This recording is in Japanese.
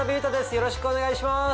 よろしくお願いします。